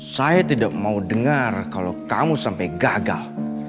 saya tidak mau dengar kalau kamu sampai gagal